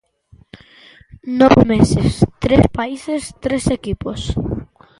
Nove meses, tres países, tres equipos.